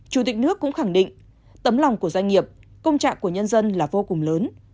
chủ tịch nước cũng khẳng định tấm lòng của doanh nghiệp công trạng của nhân dân là vô cùng lớn